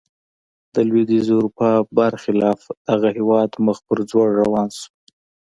د لوېدیځې اروپا برخلاف دغه هېواد مخ پر ځوړ روان شو.